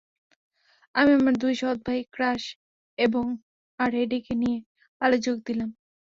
আমি আমার দুই সৎ ভাই ক্র্যাশ আর এডিকে নিয়ে পালে যোগ দিলাম।